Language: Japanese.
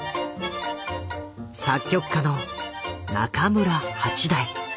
作曲家の中村八大。